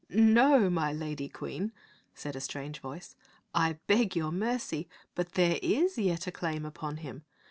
"No, my lady Queen," said a strange voice. " I beg your mercy, but there is yet a claim upon him.